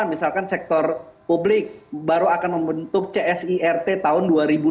mungkin ini juga berbeda dengan hal hal yang diadakan sektor publik baru akan membentuk csirt tahun dua ribu dua puluh tiga